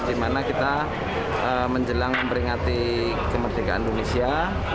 di mana kita menjelang memperingati kemerdekaan indonesia